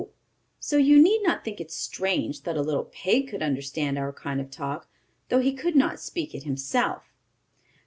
So you need not think it strange that a little pig could understand our kind of talk, though he could not speak it himself.